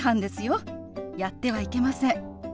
やってはいけません。